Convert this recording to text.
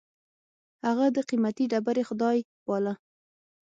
هغه د قېمتي ډبرې خدای باله.